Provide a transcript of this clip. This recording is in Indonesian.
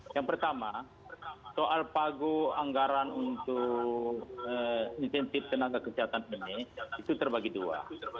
yang pertama soal pagu anggaran untuk insentif tenaga kesehatan ini itu terbagi dua